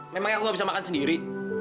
memangnya aku nggak bisa makan sendiri